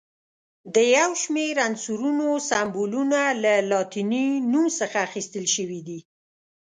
د یو شمېر عنصرونو سمبولونه له لاتیني نوم څخه اخیستل شوي دي.